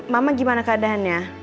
mama gimana keadaannya